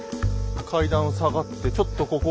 階段を下がってちょっとここは。